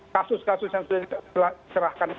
kasus kasus yang sudah diserahkan